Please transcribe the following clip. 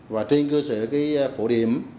và trên cơ sở cái phổ điểm